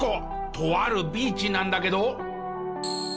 とあるビーチなんだけど。